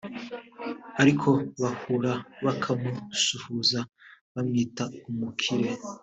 ariko bahura bakamusuhuza bamwita umukire